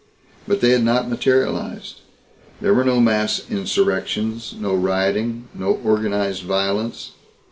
But they had not materialized. There were no mass insurrections, no rioting, no organized violence.